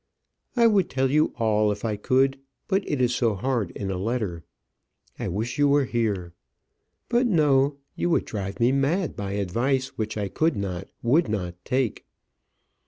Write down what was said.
I would tell you all if I could, but it is so hard in a letter. I wish you were here. But no; you would drive me mad by advice which I could not, would not take.